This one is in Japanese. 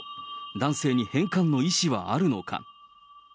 男性に返還の意思はあるのか。